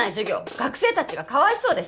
学生たちがかわいそうです。